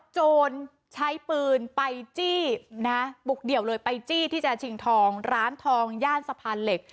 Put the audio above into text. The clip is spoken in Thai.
โจรใช้ปืนไปจี้นะบุกเดี่ยวเลยไปจี้ที่จะชิงทองร้านทองย่านสะพานเหล็ก